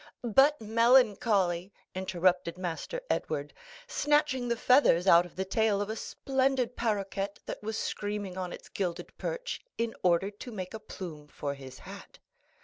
"But melancholy," interrupted Master Edward, snatching the feathers out of the tail of a splendid paroquet that was screaming on its gilded perch, in order to make a plume for his hat.